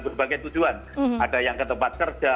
berbagai tujuan ada yang ke tempat kerja